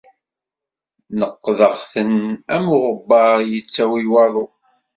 Neɣɣdeɣ-ten am uɣebbar yettawi waḍu.